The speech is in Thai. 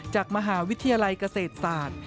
จากมหาวิทยาลัยเกษตรศาสตร์